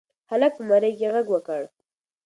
هلک په مرۍ کې غږ وکړ.